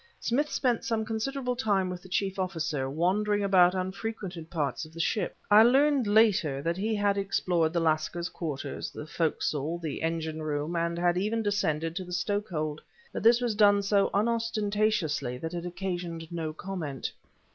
Smith spent some considerable time with the chief officer, wandering about unfrequented parts of the ship. I learned later that he had explored the lascars' quarters, the forecastle, the engine room, and had even descended to the stokehold; but this was done so unostentatiously that it occasioned no comment.